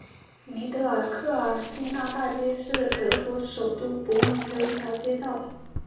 尼德尔克尔新纳大街是德国首都柏林的一条街道。